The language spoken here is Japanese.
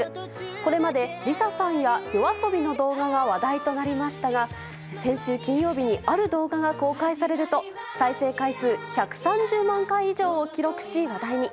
これまで、ＬｉＳＡさんやＹＯＡＳＯＢＩの動画が話題となりましたが先週金曜日にある動画が公開されると再生回数１３０万回以上を記録し話題に。